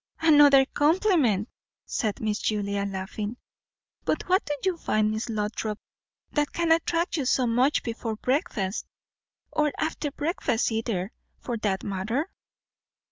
"Another compliment!" said Miss Julia, laughing. "But what do you find, Miss Lothrop, that can attract you so much before breakfast? or after breakfast either, for that matter?"